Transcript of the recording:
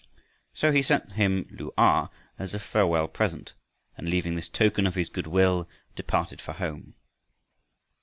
So he sent him Lu a as a farewell present and leaving this token of his good will departed for home.